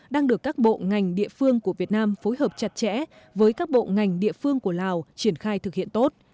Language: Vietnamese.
đang được các bộ ngành địa phương của việt nam phối hợp chặt chẽ với các bộ ngành địa phương của lào triển khai thực hiện tốt